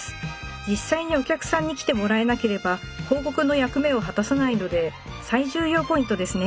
実際にお客さんに来てもらえなければ広告の役目を果たさないので最重要ポイントですね。